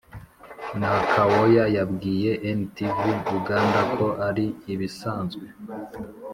nakawooya yabwiye ntv uganda ko ari ibisanzwe